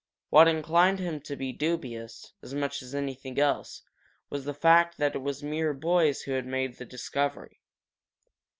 What inclined him to be dubious, as much as anything else, was the fact that it was mere boys who had made the discovery.